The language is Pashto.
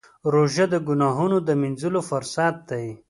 روژه د ګناهونو د مینځلو فرصت دی.